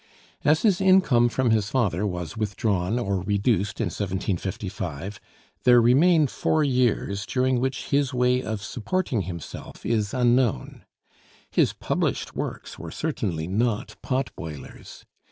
As his income from his father was withdrawn or reduced in 1755, there remain four years during which his way of supporting himself is unknown. His published works were certainly not "pot boilers."